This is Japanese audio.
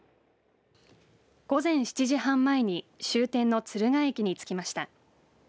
午前７時半前に終点の敦賀駅に着きました。